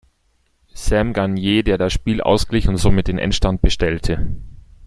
Sam Gagner, der das Spiel ausglich und somit den Endstand bestellte.